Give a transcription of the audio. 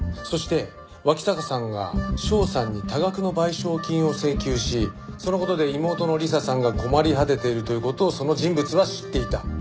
そして脇坂さんが翔さんに多額の賠償金を請求しその事で妹の理彩さんが困り果てているという事をその人物は知っていた。